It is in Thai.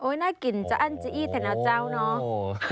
โอ๊ยน่ากินจะอั้นจะอีดแถ่นาเจ้าเนาะ